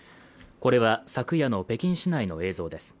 これは昨夜の北京市内の映像です